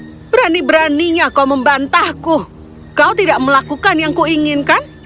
kau berani beraninya membantahku kau tidak melakukan yang kuinginkan